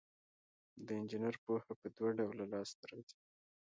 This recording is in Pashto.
د انجینر پوهه په دوه ډوله لاس ته راځي.